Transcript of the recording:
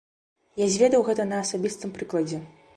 Я зведаў гэта на асабістым прыкладзе.